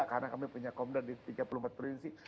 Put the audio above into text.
karena kami punya komda di tiga puluh empat prinsip